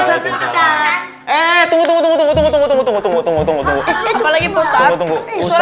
eh tunggu tunggu tunggu tunggu tunggu tunggu tunggu tunggu tunggu tunggu tunggu tunggu tunggu apalagi tunggu tunggu